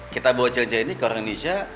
kita bawa challenge nya ini ke orang indonesia